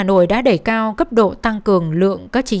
giảm đổi kiểm tra liên ngành một trăm bốn mươi một